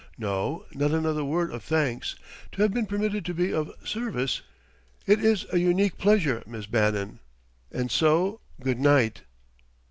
No not another word of thanks; to have been permitted to be of service it is a unique pleasure, Miss Bannon. And so, good night!"